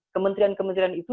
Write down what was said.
kementerian kementerian itu